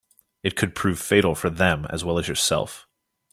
It could prove fatal for them as well as yourself.